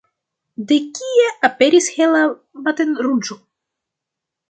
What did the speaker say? De kie aperis hela matenruĝo?